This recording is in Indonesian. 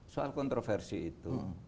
soal kontroversi itu